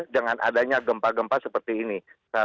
dan juga sudah menjadi tempat mereka gempa gempa seperti ini